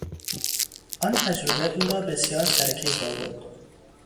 آن تجربه او را بسیار سرکیف آورد.